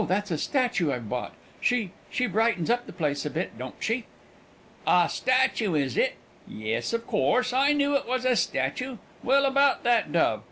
that's a statue I've bought. She she brightens up the place a bit, don't she?" "A statue, is it? Yes, of course; I knew it was a statue. Well, about that dove.